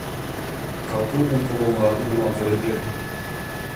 Катуу умтулууңарды уланта бергиле!